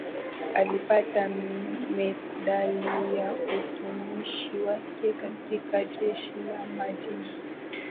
alipata medali ya utumishi wake katika jeshi la majini